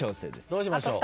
どうしましょう？